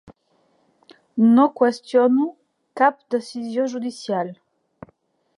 No qüestiono cap decisió judicial.